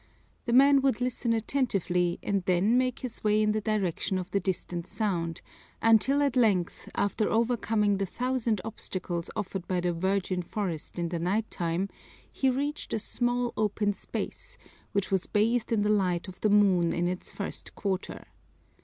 The man would listen attentively and then make his way in the direction of the distant sound, until at length, after overcoming the thousand obstacles offered by the virgin forest in the night time, he reached a small open space, which was bathed in the light of the moon in its first quarter.